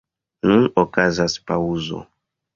Nun okazas paŭzo.